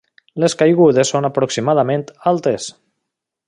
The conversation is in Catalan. Les caigudes són aproximadament altes.